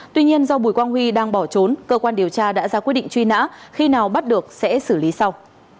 tuy nhiên do bùi quang huy đang bỏ trốn cơ quan điều tra đã ra quyết định truy nã khi nào bắt được sẽ xử lý sau